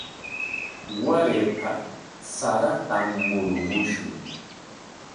Warayqa saratam murumushun.